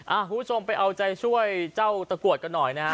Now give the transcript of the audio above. คุณผู้ชมไปเอาใจช่วยเจ้าตะกรวดกันหน่อยนะฮะ